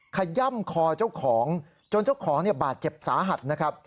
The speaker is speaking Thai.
ขย่ำคอเจ้าของจนเจ้าของบาดเจ็บสาหัสนะครับ